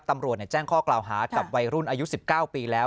ตำรวจแจ้งข้อกล่าวหากับวัยรุ่นอายุ๑๙ปีแล้ว